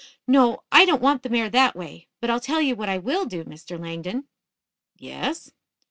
"No; I don't want the mare that way. But, I'll tell you what I will do, Mr. Langdon." "Yes?"